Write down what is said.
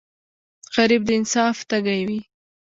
غریب د انصاف تږی وي